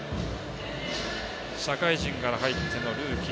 社会人から入ってのルーキー。